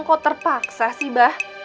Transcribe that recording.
kok terpaksa sih bah